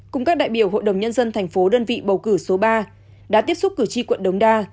cùng các đại biểu hội đồng nhân dân thành phố đơn vị bầu cử số ba đã tiếp xúc cử tri quận đống đa